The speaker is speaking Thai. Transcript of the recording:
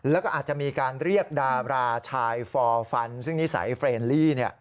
แล้วก็อาจจะมีการเรียกดาราชายฟอร์ฟันซึ่งนิสัยเฟรนลี่